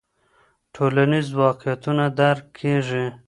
ټولنیز واقعیتونه درک کیږي.